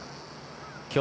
今日